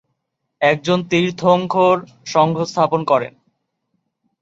একজন তীর্থঙ্কর ‘সংঘ’ স্থাপন করেন।